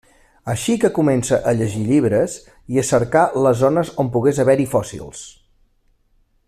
Així que comença a llegir llibres, i a cercar les zones on pogués haver-hi fòssils.